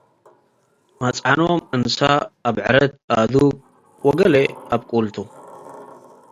መጽዕኖም እንሰ፡ አብዕረት፡ አዱግ ወገሌ አብቁል ቱ ።